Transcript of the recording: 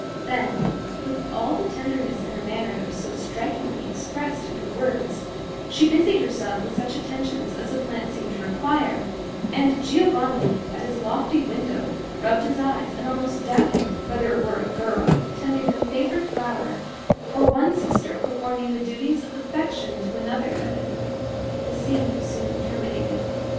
Then, with all the tenderness in her manner that was so strikingly expressed in her words, she busied herself with such attentions as the plant seemed to require; and Giovanni, at his lofty window, rubbed his eyes and almost doubted whether it were a girl tending her favorite flower, or one sister performing the duties of affection to another. The scene soon terminated.